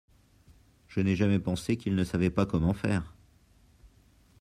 Je n’ai jamais pensé qu’il ne savait pas comment faire.